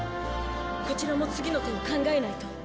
こちらも次の手を考えないと。